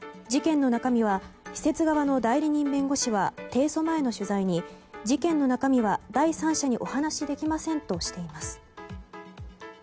施設側の代理人弁護士は提訴前の取材に事件の中身は、第三者にお話しできませんとしています。